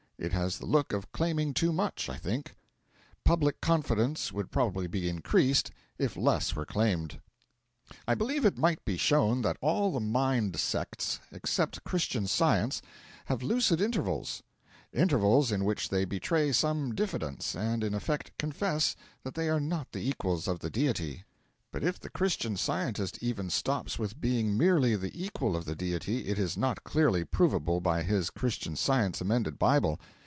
It has the look of claiming too much, I think. Public confidence would probably be increased if less were claimed. I believe it might be shown that all the 'mind' sects except Christian Science have lucid intervals; intervals in which they betray some diffidence, and in effect confess that they are not the equals of the Deity; but if the Christian Scientist even stops with being merely the equal of the Deity, it is not clearly provable by his Christian Science Amended Bible.